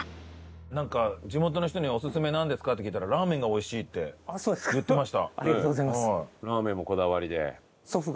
地元の人に「オススメなんですか？」って聞いたら「ラーメンがおいしい」って言ってました。